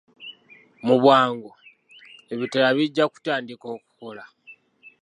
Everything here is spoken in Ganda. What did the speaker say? Mu bwangu ebitala bijja kutandiika okukola.